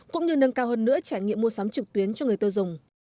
cũng như nâng cao hơn nữa trải nghiệm mua sắm trực tuyến cho người tiêu dùng